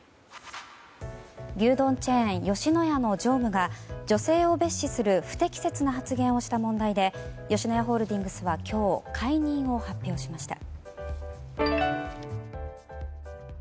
牛丼チェーン吉野家の常務が女性を蔑視する不適切な発言をした問題で吉野家ホールディングスは今日解任を発表しました。